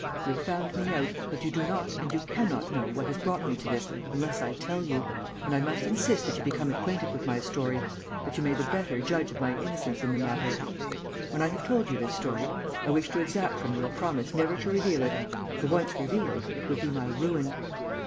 You have found me out, but you do not and you cannot know what has brought me to this unless I tell you, and I must insist that you become acquainted with my story, that you may the better judge of my innocence in the matter. When I have told you this story, I wish to exact from you a promise never to reveal it, for once revealed it would be my ruin."